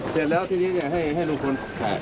เทียนแล้วทีนี้เนี้ยให้ให้ลูกคน